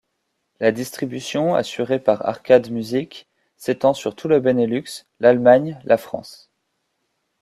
La distribution assurée par Arcade Music s'étend sur tout le Benelux, l'Allemagne, la France.